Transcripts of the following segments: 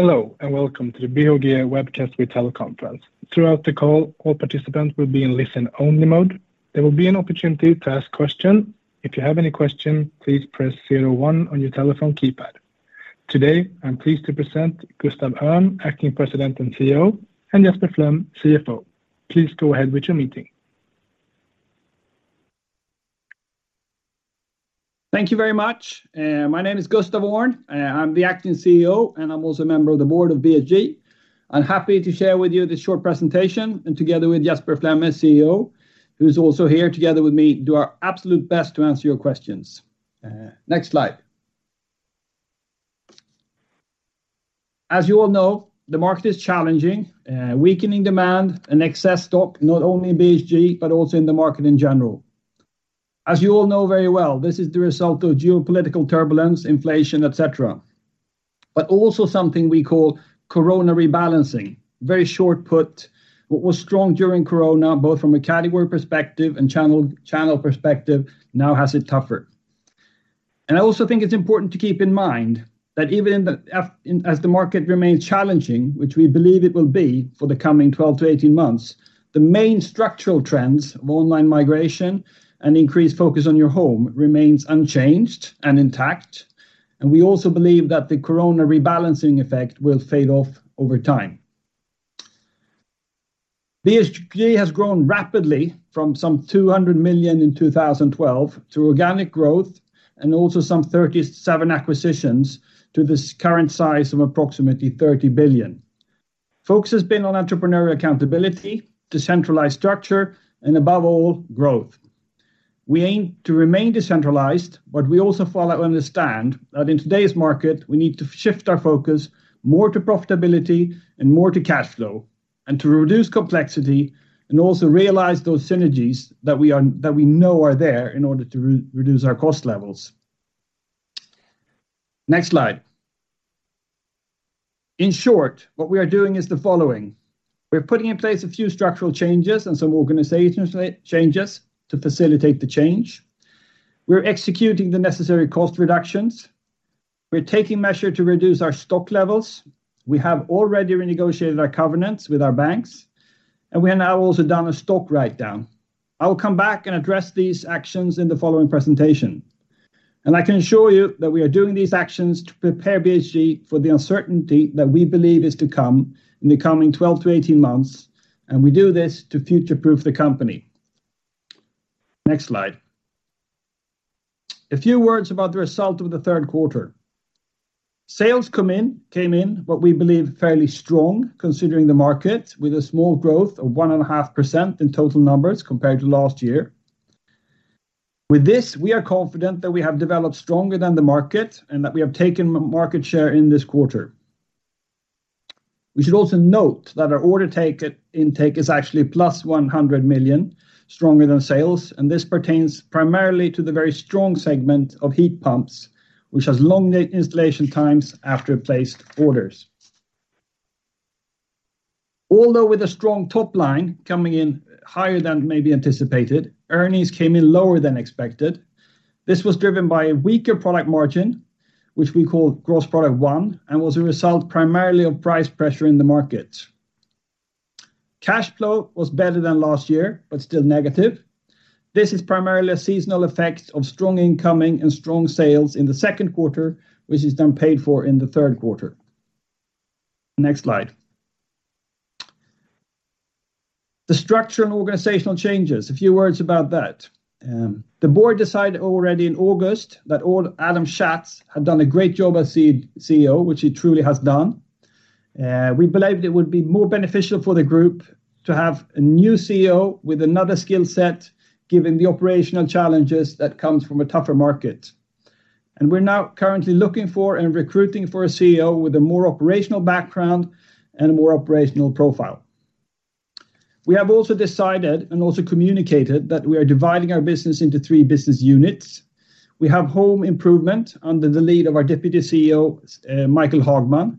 Hello and welcome to the BHG webcast with teleconference. Throughout the call, all participants will be in listen-only mode. There will be an opportunity to ask question. If you have any question, please press zero-one on your telephone keypad. Today, I'm pleased to present Gustaf Öhrn, acting President and CEO, and Jesper Flemme, CFO. Please go ahead with your meeting. Thank you very much. My name is Gustaf Öhrn. I'm the acting CEO, and I'm also a member of the board of BHG. I'm happy to share with you this short presentation and together with Jesper Flemme, CEO, who's also here together with me, do our absolute best to answer your questions. Next slide. As you all know, the market is challenging, weakening demand and excess stock, not only in BHG, but also in the market in general. As you all know very well, this is the result of geopolitical turbulence, inflation, et cetera, but also something we call corona rebalancing. Very short but, what was strong during corona, both from a category perspective and channel perspective, now has it tougher. I also think it's important to keep in mind that even as the market remains challenging, which we believe it will be for the coming 12-18 months, the main structural trends of online migration and increased focus on your home remains unchanged and intact. We also believe that the corona rebalancing effect will fade off over time. BHG has grown rapidly from some 200 million in 2012 through organic growth and also some 37 acquisitions to this current size of approximately 30 billion. Focus has been on entrepreneurial accountability, decentralized structure, and above all, growth. We aim to remain decentralized, but we also understand that in today's market, we need to shift our focus more to profitability and more to cash flow and to reduce complexity and also realize those synergies that we know are there in order to reduce our cost levels. Next slide. In short, what we are doing is the following. We're putting in place a few structural changes and some organizational changes to facilitate the change. We're executing the necessary cost reductions. We're taking measures to reduce our stock levels. We have already renegotiated our covenants with our banks, and we have now also done a stock write-down. I will come back and address these actions in the following presentation. I can assure you that we are doing these actions to prepare BHG for the uncertainty that we believe is to come in the coming 12 to 18 months, and we do this to future-proof the company. Next slide. A few words about the result of the Q3. Sales came in what we believe fairly strong, considering the market, with a small growth of 1.5% in total numbers compared to last year. With this, we are confident that we have developed stronger than the market and that we have taken market share in this quarter. We should also note that our order intake is actually plus 100 million stronger than sales, and this pertains primarily to the very strong segment of heat pumps, which has long installation times after placed orders. Although with a strong top line coming in higher than maybe anticipated, earnings came in lower than expected. This was driven by a weaker product margin, which we call Gross Profit 1, and was a result primarily of price pressure in the market. Cash flow was better than last year, but still negative. This is primarily a seasonal effect of strong incoming and strong sales in the Q2, which is then paid for in the Q3. Next slide. The structure and organizational changes, a few words about that. The board decided already in August that Adam Schatz had done a great job as CEO, which he truly has done. We believed it would be more beneficial for the group to have a new CEO with another skill set, given the operational challenges that comes from a tougher market. We're now currently looking for and recruiting for a CEO with a more operational background and a more operational profile. We have also decided and also communicated that we are dividing our business into three business units. We have Home Improvement under the lead of our Deputy CEO, Mikael Hagman.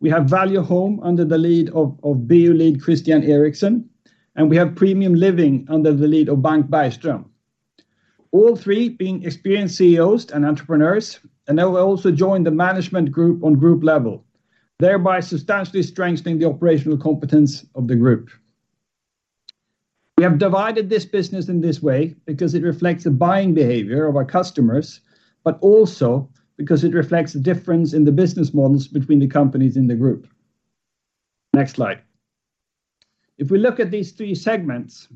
We have Value Home under the lead of BU lead Christian Eriksson, and we have Premium Living under the lead of Henrik Bergström. All three being experienced CEOs and entrepreneurs, and they will also join the management group on group level, thereby substantially strengthening the operational competence of the group. We have divided this business in this way because it reflects the buying behavior of our customers, but also because it reflects the difference in the business models between the companies in the group. Next slide. If we look at these three segments,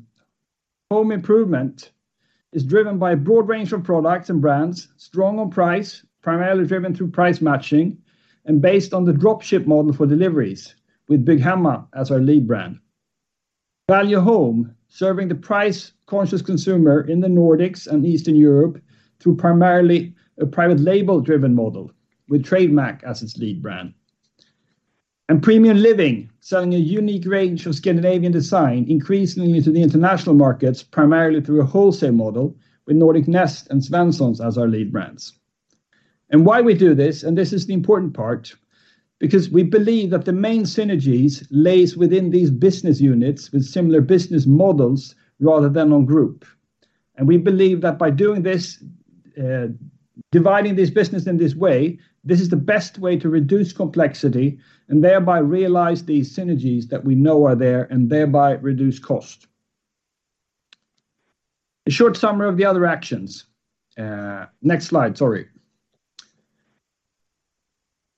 Home Improvement is driven by a broad range of products and brands, strong on price, primarily driven through price matching, and based on the drop ship model for deliveries with Bygghemma as our lead brand. Value Home, serving the price-conscious consumer in the Nordics and Eastern Europe through primarily a private label-driven model with Trademax as its lead brand. Premium Living, selling a unique range of Scandinavian design increasingly to the international markets, primarily through a wholesale model with Nordic Nest and Svenssons as our lead brands. Why we do this, and this is the important part, because we believe that the main synergies lie within these business units with similar business models rather than on group. We believe that by doing this, dividing this business in this way, this is the best way to reduce complexity and thereby realize these synergies that we know are there and thereby reduce cost. A short summary of the other actions. Next slide, sorry.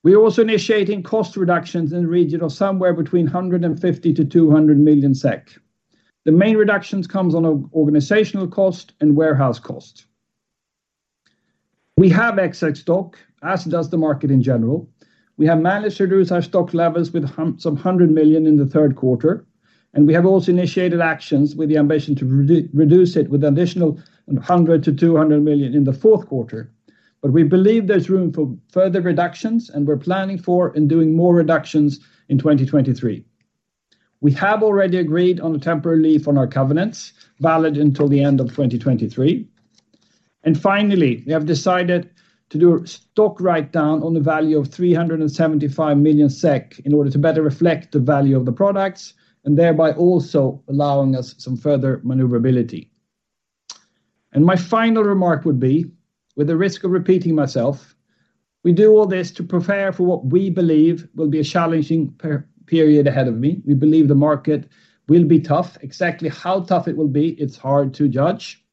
We're also initiating cost reductions in general, somewhere between 150-200 million SEK. The main reductions come on organizational cost and warehouse cost. We have excess stock, as does the market in general. We have managed to reduce our stock levels with some 100 million in the Q3, and we have also initiated actions with the ambition to reduce it with additional 100-200 million in the Q4. We believe there's room for further reductions, and we're planning for and doing more reductions in 2023. We have already agreed on a temporary leave on our covenants, valid until the end of 2023. Finally, we have decided to do a stock write-down on the value of 375 million SEK in order to better reflect the value of the products, and thereby also allowing us some further maneuverability. My final remark would be, with the risk of repeating myself, we do all this to prepare for what we believe will be a challenging period ahead of us. We believe the market will be tough. Exactly how tough it will be, it's hard to judge.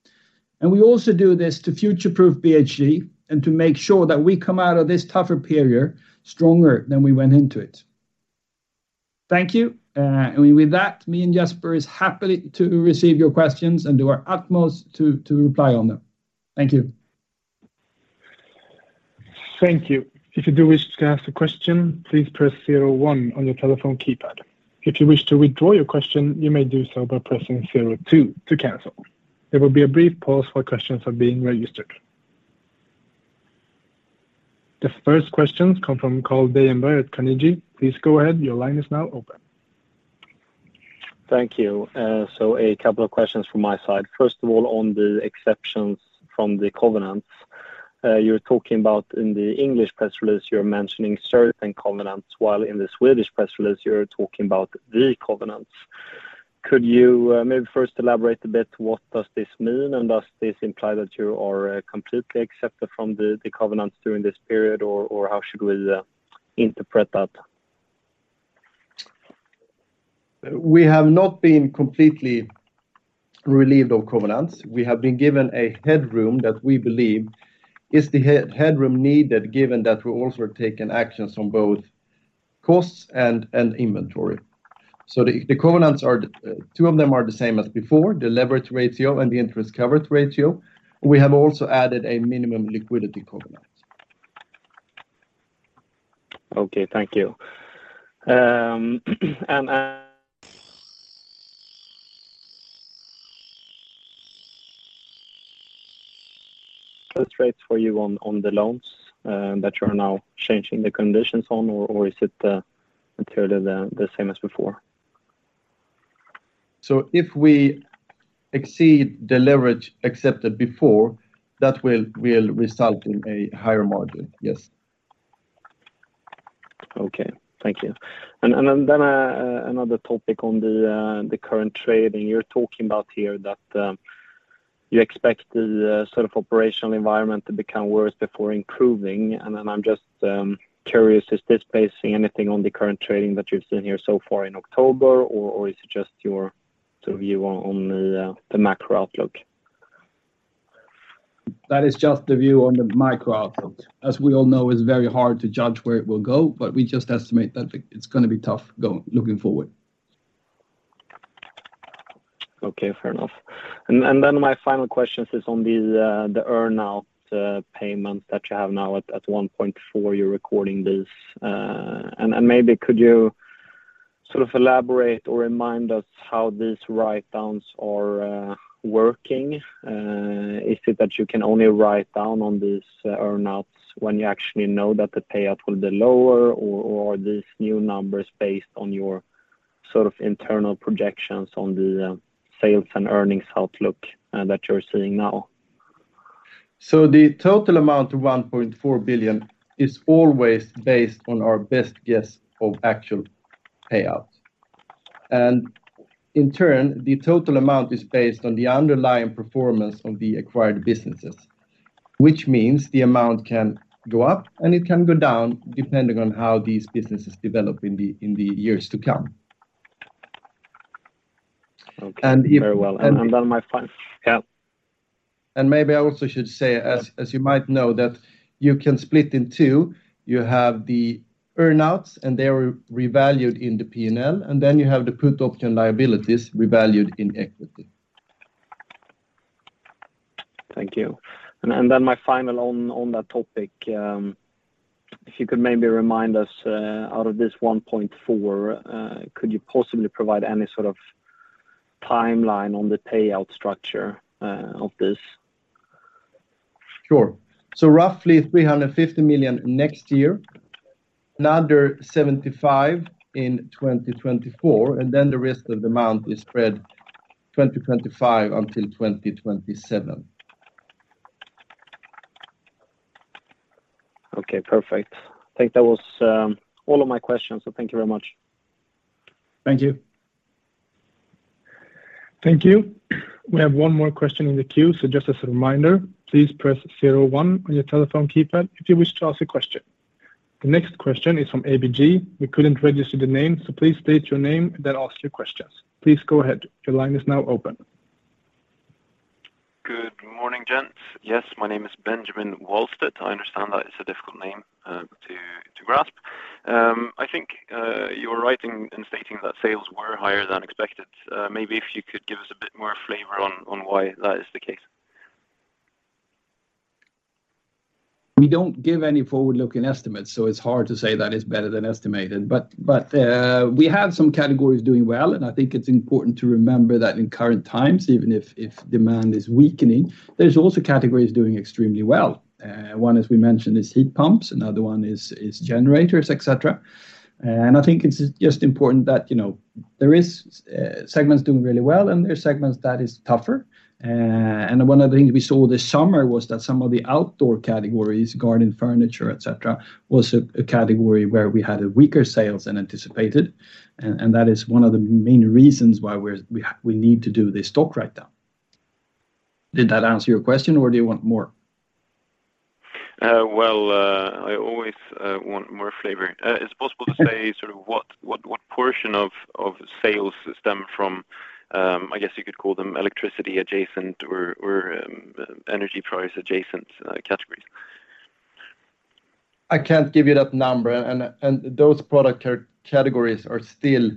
We also do this to future-proof BHG and to make sure that we come out of this tougher period stronger than we went into it. Thank you. With that, me and Jesper is happy to receive your questions and do our utmost to reply to them. Thank you. Thank you. If you do wish to ask a question, please press zero one on your telephone keypad. If you wish to withdraw your question, you may do so by pressing zero two to cancel. There will be a brief pause for questions to be registered. The first questions come from Carl Bergenbring at Carnegie. Please go ahead. Your line is now open. Thank you. A couple of questions from my side. First of all, on the exceptions from the covenants, you're talking about in the English press release, you're mentioning certain covenants, while in the Swedish press release, you're talking about the covenants. Could you, maybe first elaborate a bit what does this mean, and does this imply that you are, completely excepted from the covenants during this period, or how should we, interpret that? We have not been completely relieved of covenants. We have been given a headroom that we believe is the headroom needed given that we're also taking actions on both costs and inventory. The covenants are. Two of them are the same as before, the leverage ratio and the interest coverage ratio. We have also added a minimum liquidity covenant. Okay, thank you. What's right for you on the loans that you're now changing the conditions on, or is it entirely the same as before? If we exceed the leverage accepted before, that will result in a higher margin, yes. Okay, thank you. Another topic on the current trading. You're talking about here that you expect the sort of operational environment to become worse before improving. I'm just curious, is this basing anything on the current trading that you've seen here so far in October, or is it just your sort of view on the macro outlook? That is just the view on the micro outlook. As we all know, it's very hard to judge where it will go, but we just estimate that it's gonna be tough looking forward. Okay, fair enough. Then my final question is on the earn-out payments that you have now at 1.4, you're recording this. Maybe could you sort of elaborate or remind us how these write-downs are working? Is it that you can only write down on these earn-outs when you actually know that the payout will be lower, or are these new numbers based on your sort of internal projections on the sales and earnings outlook that you're seeing now? The total amount of 1.4 billion is always based on our best guess of actual payout. In turn, the total amount is based on the underlying performance of the acquired businesses, which means the amount can go up and it can go down depending on how these businesses develop in the years to come. Okay. And if- Very well. And- Yeah. Maybe I also should say, as you might know, that you can split in two. You have the earn-outs, and they are revalued in the P&L, and then you have the put option liabilities revalued in equity. Thank you. My final one on that topic, if you could maybe remind us out of this 1.4, could you possibly provide any sort of timeline on the payout structure of this? Sure. Roughly 350 million next year, another 75 million in 2024, and then the rest of the amount is spread 2025 until 2027. Okay, perfect. I think that was all of my questions. Thank you very much. Thank you. Thank you. We have one more question in the queue. Just as a reminder, please press zero-one on your telephone keypad if you wish to ask a question. The next question is from ABG. We couldn't register the name, so please state your name, then ask your questions. Please go ahead. Your line is now open. Good morning, gents. Yes, my name is Benjamin Wahlstedt. I understand that it's a difficult name to grasp. I think you're right in stating that sales were higher than expected. Maybe if you could give us a bit more flavor on why that is the case. We don't give any forward-looking estimates, so it's hard to say that it's better than estimated. We have some categories doing well, and I think it's important to remember that in current times, even if demand is weakening, there's also categories doing extremely well. One, as we mentioned, is heat pumps. Another one is generators, et cetera. I think it's just important that there is segments doing really well, and there are segments that is tougher. One of the things we saw this summer was that some of the outdoor categories, garden furniture, et cetera, was a category where we had weaker sales than anticipated. That is one of the main reasons why we need to do this stock write-down. Did that answer your question or do you want more? Well, I always want more flavor. Is it possible to say sort of what portion of sales stem from, I guess you could call them electricity adjacent or energy price adjacent categories? I can't give you that number. Those product categories are still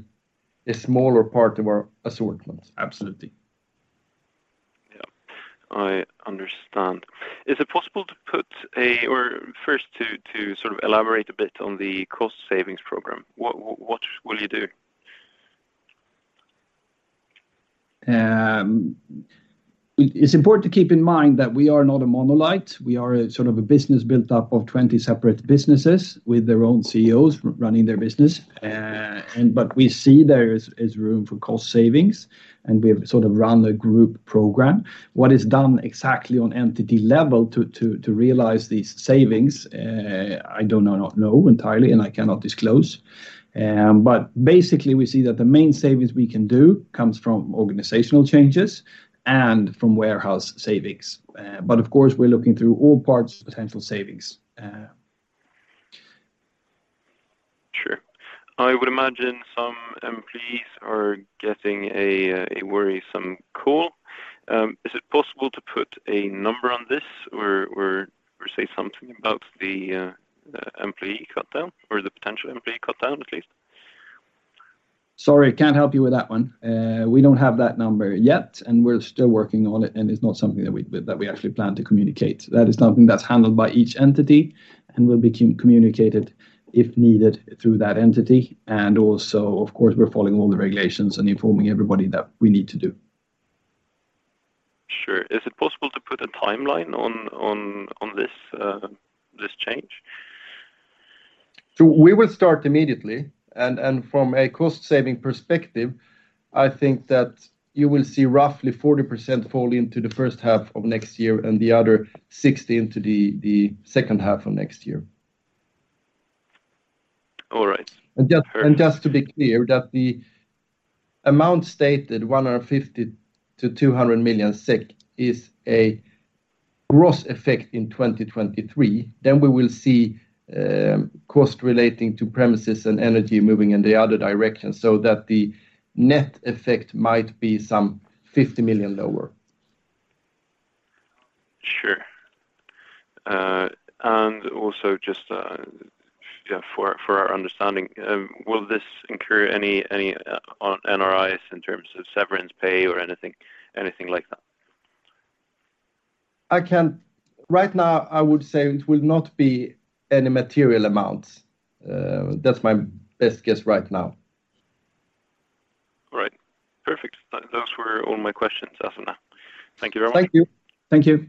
a smaller part of our assortment. Absolutely. Yeah. I understand. First to sort of elaborate a bit on the cost savings program, what will you do? It's important to keep in mind that we are not a monolith. We are a sort of a business built up of 20 separate businesses with their own CEOs running their business. We see there is room for cost savings, and we sort of run the group program. What is done exactly on entity level to realize these savings, I do not know entirely and I cannot disclose. Basically, we see that the main savings we can do comes from organizational changes and from warehouse savings. Of course, we're looking through all parts potential savings. Sure. I would imagine some employees are getting a worrisome call. Is it possible to put a number on this or say something about the employee cut down or the potential employee cut down at least? Sorry, can't help you with that one. We don't have that number yet, and we're still working on it, and it's not something that we actually plan to communicate. That is something that's handled by each entity and will be communicated if needed through that entity. Of course, we're following all the regulations and informing everybody that we need to do. Sure. Is it possible to put a timeline on this change? We will start immediately. From a cost-saving perspective, I think that you will see roughly 40% fall into the H1 of next year and the other 60 into the H2 of next year. All right. Just to be clear that the amount stated, 150 million-200 million SEK, is a gross effect in 2023. We will see cost relating to premises and energy moving in the other direction so that the net effect might be some 50 million lower. Sure. Also just, yeah, for our understanding, will this incur any NRIs in terms of severance pay or anything like that? Right now, I would say it will not be any material amounts. That's my best guess right now. All right. Perfect. Those were all my questions as of now. Thank you very much. Thank you. Thank you.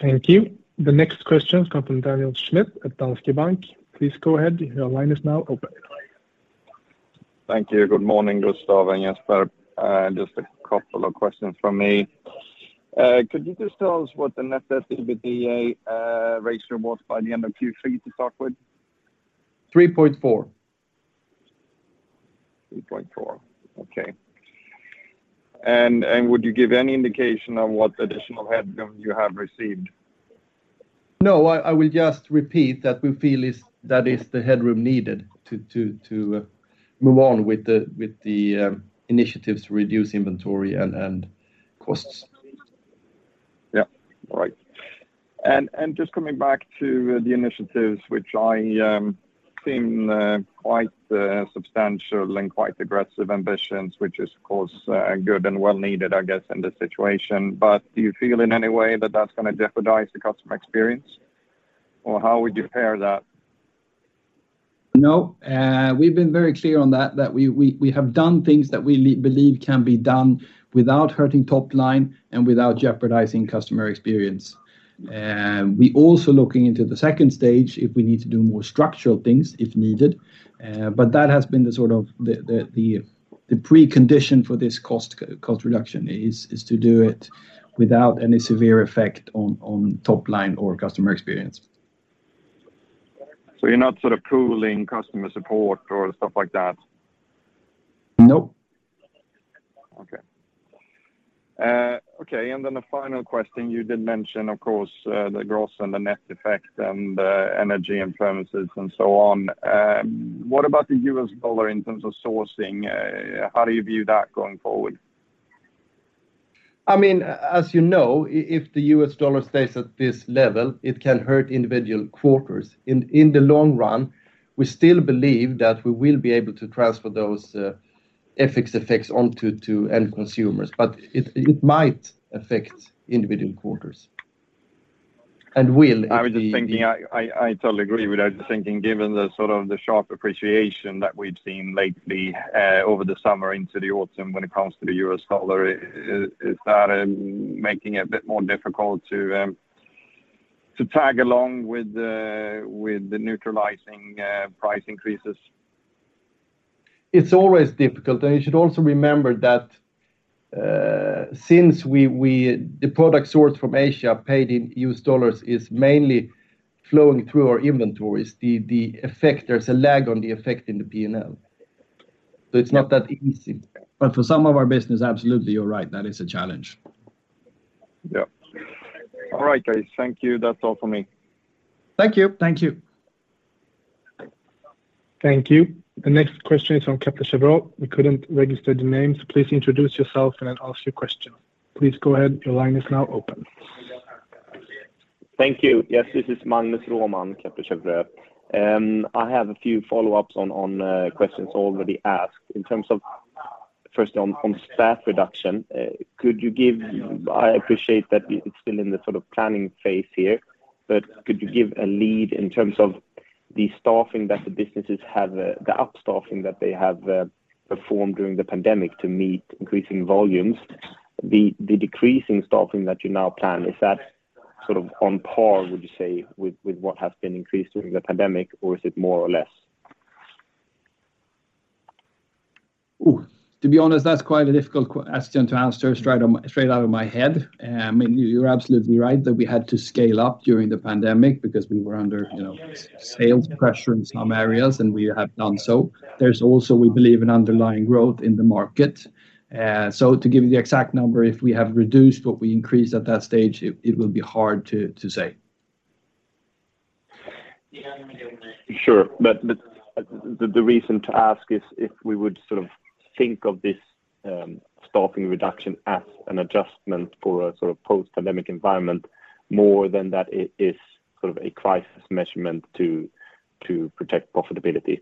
Thank you. The next question comes from Daniel Schmidt at Danske Bank. Please go ahead. Your line is now open. Thank you. Good morning, Gustaf and Jesper. Just a couple of questions from me. Could you just tell us what the net EBITDA ratio was by the end of Q3 to start with? Three-point-four. 3.4. Okay. Would you give any indication on what additional headroom you have received? No, I will just repeat that we feel is that is the headroom needed to move on with the initiatives to reduce inventory and costs. Yeah. All right. Just coming back to the initiatives, which seem quite substantial and quite aggressive ambitions, which is of course good and well needed, I guess, in this situation. Do you feel in any way that that's gonna jeopardize the customer experience? How would you pair that? No. We've been very clear on that we have done things that we believe can be done without hurting top line and without jeopardizing customer experience. We're also looking into the second stage if we need to do more structural things if needed. That has been the sort of precondition for this cost reduction, is to do it without any severe effect on top line or customer experience. You're not sort of pooling customer support or stuff like that? Nope. Okay. The final question, you did mention, of course, the gross and the net effect and, energy and premises and so on. What about the US dollar in terms of sourcing? How do you view that going forward? I mean, as you know, if the US dollar stays at this level, it can hurt individual quarters. In the long run, we still believe that we will be able to transfer those FX effects onto end consumers, but it might affect individual quarters. I was just thinking, I totally agree with that. I'm just thinking given the sort of sharp appreciation that we've seen lately, over the summer into the autumn when it comes to the US dollar, is that making it a bit more difficult to tag along with the neutralizing price increases? It's always difficult. You should also remember that, since the product sourced from Asia paid in US dollars is mainly flowing through our inventories, the effect there's a lag on the effect in the P&L. It's not that easy. For some of our business, absolutely you're right, that is a challenge. Yeah. All right, guys. Thank you. That's all for me. Thank you. Thank you. Thank you. The next question is from Kepler Cheuvreux. We couldn't register the name, so please introduce yourself and then ask your question. Please go ahead. Your line is now open. Thank you. Yes, this is Magnus Råman, Kepler Cheuvreux. I have a few follow-ups on questions already asked. In terms of firstly on staff reduction, I appreciate that it's still in the sort of planning phase here, but could you give a lead in terms of the staffing that the businesses have, the up-staffing that they have performed during the pandemic to meet increasing volumes? The decreasing staffing that you now plan, is that sort of on par, would you say, with what has been increased during the pandemic, or is it more or less? To be honest, that's quite a difficult question to answer straight out of my head. I mean, you're absolutely right that we had to scale up during the pandemic because we were under sales pressure in some areas, and we have done so. There's also, we believe, an underlying growth in the market. So to give you the exact number, if we have reduced what we increased at that stage, it would be hard to say. Sure. The reason to ask is if we would sort of think of this, staffing reduction as an adjustment for a sort of post-pandemic environment more than that it is sort of a crisis measurement to protect profitability.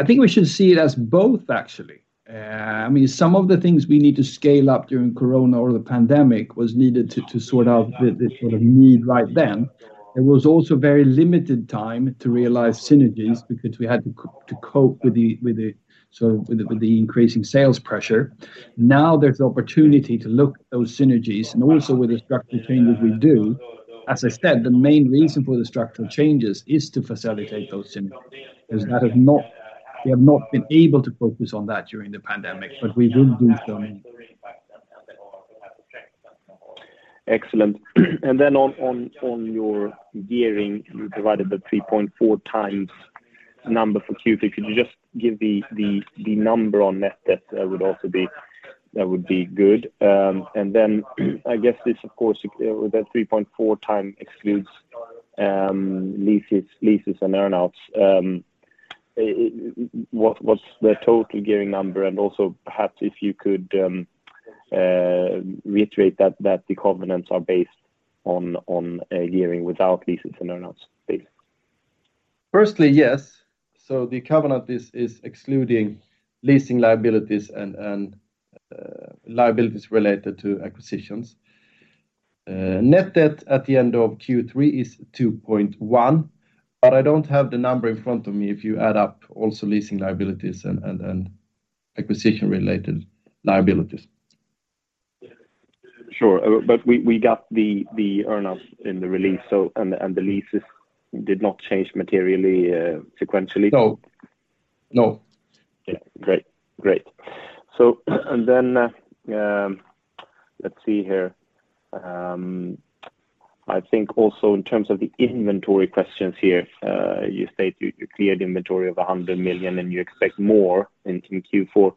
I think we should see it as both actually. I mean, some of the things we need to scale up during corona or the pandemic was needed to sort out the sort of need right then. There was also very limited time to realize synergies because we had to cope with the increasing sales pressure. Now there's opportunity to look those synergies and also with the structural changes we do. As I said, the main reason for the structural changes is to facilitate those synergies because we have not been able to focus on that during the pandemic, but we will do so. Excellent. On your gearing, you provided the 3.4 times number for Q3. Could you just give the number on net debt? That would also be good. I guess this of course that 3.4 times excludes leases and earn outs. What's the total gearing number? Also perhaps if you could reiterate that the covenants are based on a gearing without leases and earn outs please. The covenant is excluding leasing liabilities and liabilities related to acquisitions. Net debt at the end of Q3 is 2.1, but I don't have the number in front of me if you add up also leasing liabilities and acquisition-related liabilities. Sure. We got the earn-outs in the release, so and the leases did not change materially, sequentially? No. No. I think also in terms of the inventory questions here, you state you cleared inventory of 100 million and you expect more in Q4.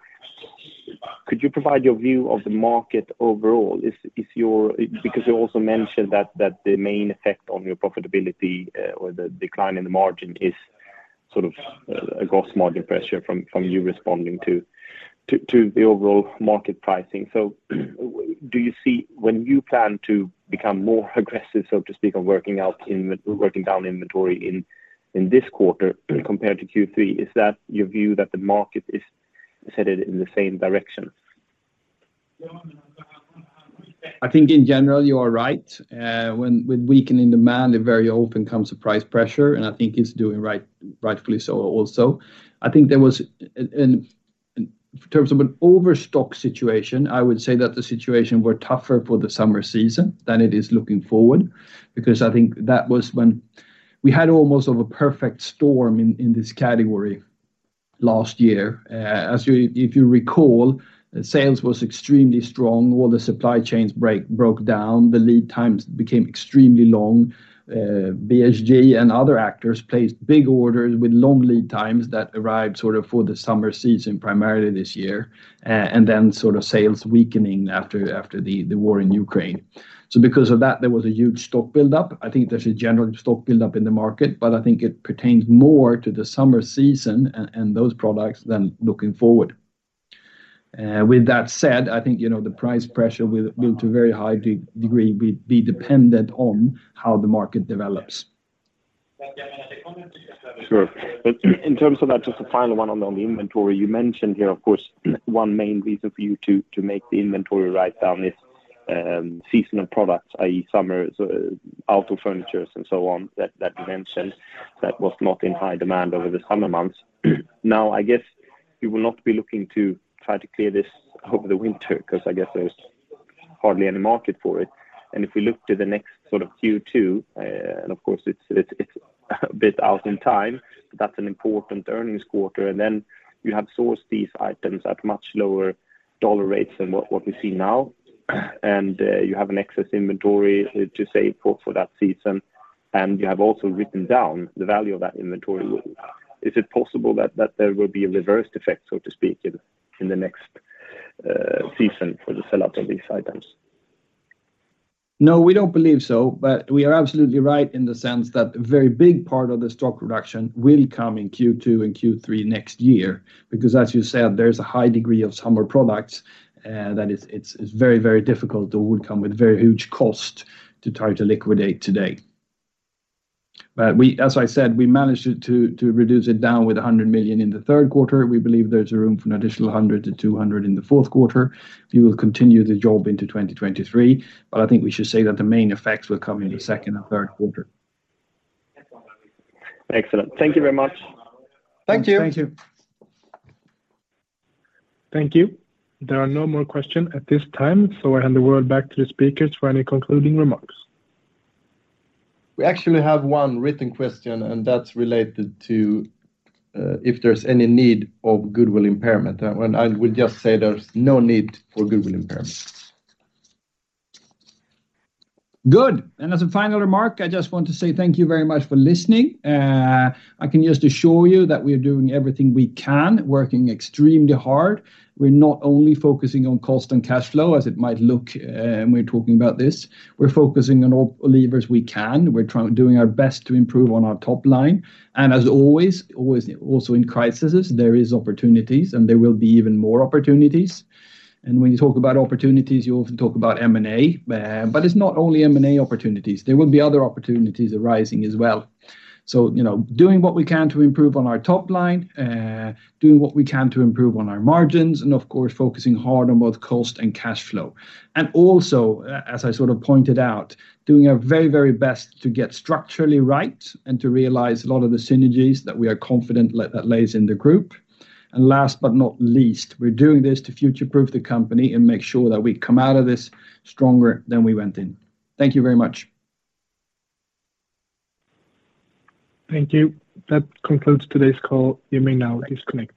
Could you provide your view of the market overall? Is your view, because you also mentioned that the main effect on your profitability, or the decline in the margin is sort of a gross margin pressure from you responding to the overall market pricing. Do you see when you plan to become more aggressive, so to speak, on working down inventory in this quarter compared to Q3, is that your view that the market is headed in the same direction? I think in general you are right. When with weakening demand, it very often comes with price pressure, and I think it's doing right, rightfully so also. I think there was an and in terms of an overstock situation, I would say that the situation were tougher for the summer season than it is looking forward because I think that was when we had almost a perfect storm in this category last year. As you, if you recall, sales was extremely strong. All the supply chains broke down. The lead times became extremely long. BHG and other actors placed big orders with long lead times that arrived sort of for the summer season, primarily this year, and then sort of sales weakening after the war in Ukraine. Because of that, there was a huge stock buildup. I think there's a general stock buildup in the market, but I think it pertains more to the summer season and those products than looking forward. With that said, I think the price pressure will to a very high degree be dependent on how the market develops. Sure. In terms of that, just a final one on the inventory you mentioned here. Of course, one main reason for you to make the inventory write-down is seasonal products, i.e., summer outdoor furniture and so on, that you mentioned that was not in high demand over the summer months. Now, I guess you will not be looking to try to clear this over the winter because I guess there's hardly any market for it. If we look to the next sort of Q2, and of course it's a bit out in time, but that's an important earnings quarter. Then you have sourced these items at much lower dollar rates than what we see now. You have an excess inventory to save for that season, and you have also written down the value of that inventory. Is it possible that there will be a reversed effect, so to speak, in the next season for the sell-out of these items? No, we don't believe so, but we are absolutely right in the sense that a very big part of the stock reduction will come in Q2 and Q3 next year. Because as you said, there's a high degree of summer products that it's very, very difficult or would come with very huge cost to try to liquidate today. As I said, we managed to reduce it down with 100 million in the Q3. We believe there's room for an additional 100 million-200 million in the Q4. We will continue the job into 2023, but I think we should say that the main effects will come in the second and Q3. Excellent. Thank you very much. Thank you. Thank you. Thank you. There are no more questions at this time, so I hand the word back to the speakers for any concluding remarks. We actually have one written question, and that's related to if there's any need of goodwill impairment. I would just say there's no need for goodwill impairment. Good. As a final remark, I just want to say thank you very much for listening. I can just assure you that we are doing everything we can, working extremely hard. We're not only focusing on cost and cash flow as it might look when we're talking about this. We're focusing on all levers we can. We're doing our best to improve on our top line. As always also in crises, there is opportunities and there will be even more opportunities. When you talk about opportunities, you often talk about M&A. It's not only M&A opportunities. There will be other opportunities arising as well. You know, doing what we can to improve on our top line, doing what we can to improve on our margins, and of course, focusing hard on both cost and cash flow. As I sort of pointed out, doing our very, very best to get structurally right and to realize a lot of the synergies that we are confident lies in the group. Last but not least, we're doing this to future-proof the company and make sure that we come out of this stronger than we went in. Thank you very much. Thank you. That concludes today's call. You may now disconnect.